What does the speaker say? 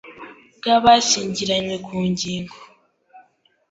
bw abashyingaranywe ku ngingo